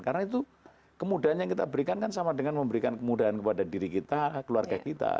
karena itu kemudahan yang kita berikan kan sama dengan memberikan kemudahan kepada diri kita keluarga kita